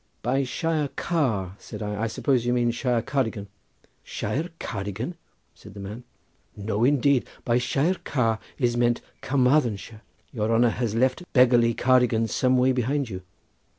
"By Shire Car," said I, "I suppose you mean Shire Cardigan?" "Shire Cardigan!" said the man; "no indeed; by Shire Car is meant Carmarthenshire. Your honour has left beggarly Cardigan some way behind you.